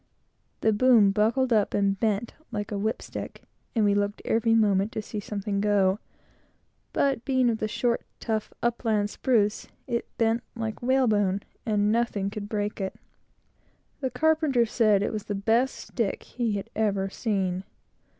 The boom buckled up and bent like a whip stick, and we looked every moment to see something go; but, being of the short, tough upland spruce, it bent like whalebone, and nothing could break it. The carpenter said it was the best stick he had ever seen.